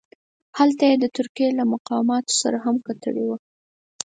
هلته یې د ترکیې له مقاماتو سره هم کتلي وه.